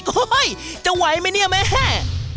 โอ้โฮจะไหวไหมเนี่ยแม่